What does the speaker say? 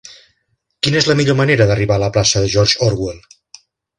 Quina és la millor manera d'arribar a la plaça de George Orwell?